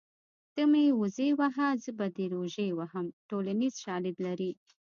ته مې وزې وهه زه به دې روژې وهم ټولنیز شالید لري